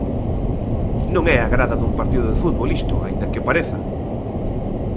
Non é a grada dun partido de fútbol isto, aínda que o pareza.